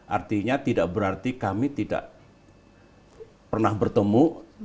artinya tidak berarti kami tidak pernah bertemu